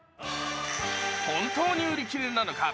本当に売り切れなのか。